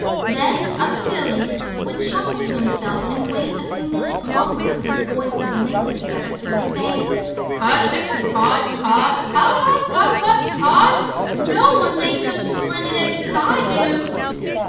Then Unc' Billy would chuckle to himself and wait a few minutes longer for the voice of Mrs. Feathertoes, saying: "Cut, cut, cut, cut, cut aa cut, cut, cut, cut! No one lays such splendid eggs as I do!"